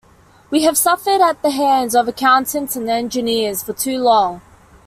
We have suffered at the hands of accountants and engineers for too long.